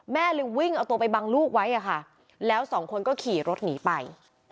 แม่เลยวิ่งเอาตัวไปบังลูกไว้อะค่ะแล้วสองคนก็ขี่รถหนีไป